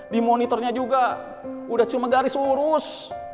di monitornya juga udah cuma garis urus